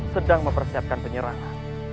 sedang mempersiapkan penyerangan